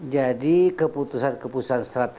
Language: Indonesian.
jadi keputusan keputusan seratus